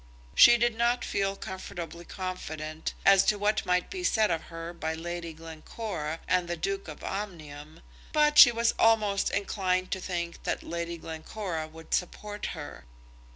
She did not feel comfortably confident as to what might be said of her by Lady Glencora and the Duke of Omnium, but she was almost inclined to think that Lady Glencora would support her.